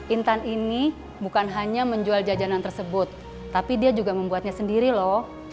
intan ini bukan hanya menjual jajanan tersebut tapi dia juga membuatnya sendiri loh